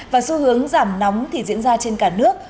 và xu hướng giảm nóng thì diễn ra trên cả nước